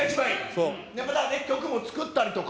また曲も作ったりとか。